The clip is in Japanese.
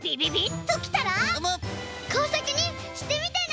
こうさくにしてみてね！